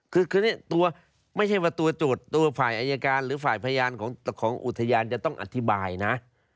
คือนี่ตัวไม่ใช่ว่าตัวโจทย์ตัวฝ่ายอายการหรือฝ่ายพยานของอุทยานจะต้องอธิบายนะ